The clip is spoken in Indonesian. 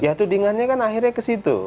ya tudingannya kan akhirnya ke situ